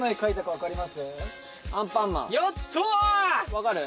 分かる？